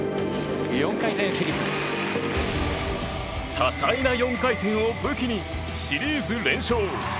多彩な４回転を武器にシリーズ連勝！